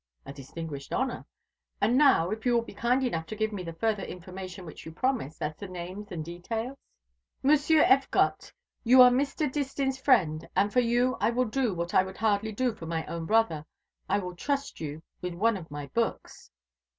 "A distinguished honour. And now, if you will be kind enough to give me the further information which you promised as to names and details?" "Monsieur Effcotte, you are Mr. Distin's friend, and for you I will do what I would hardly do for my own brother. I will trust you with one of my books."